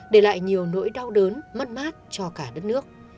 để lại nhiều nỗi đau đớn mất mát cho cả đất nước